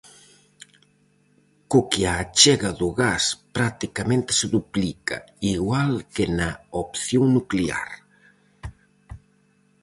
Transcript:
Co que a achega do gas practicamente se duplica, igual que na opción nuclear.